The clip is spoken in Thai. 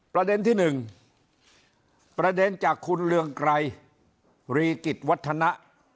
ประเด็นที่๑ประเด็นจากคุณเรืองไกรรีกิจวัฒนะ